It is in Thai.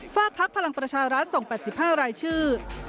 ฝากพักพลังประชารัฐส่ง๘๕รายชื่อ